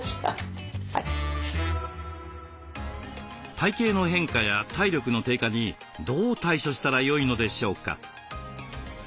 体形の変化や体力の低下にどう対処したらよいのでしょうか？